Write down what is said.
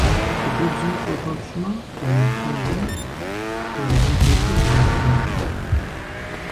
Хъыджэбзым пщӏэ хуэпщӏмэ, къыумыхьэжьэу, хабзэм тету фызышэу къашэ.